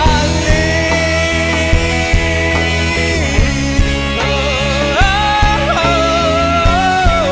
เวรกรรมมันมีจริงใช่ไหม